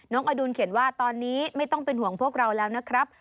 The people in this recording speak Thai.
อดุลเขียนว่าตอนนี้ไม่ต้องเป็นห่วงพวกเราแล้วนะครับ